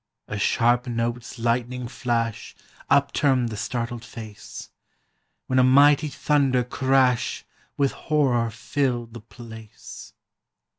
A sharp note's lightning flash Upturned the startled face; When a mighty thunder crash With horror filled the place